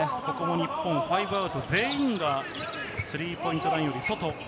日本ファイブアウト、全員がスリーポイントラインより外。